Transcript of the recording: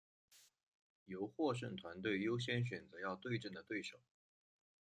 由获胜团队优先选择要对阵的对手。